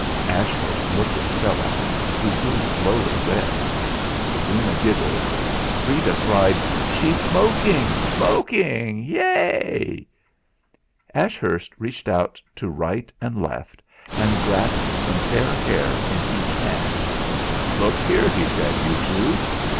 Ashurst looked at Stella, who grew slowly red. Sabina giggled; Freda cried: "She's 'smoking' 'smoking!' Yah!" Ashurst reached out to right and left, and grasped some fair hair in each hand. "Look here," he said, "you two!